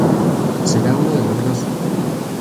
Será uno de los dos.